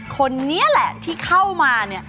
คนนี้แหละที่เข้ามา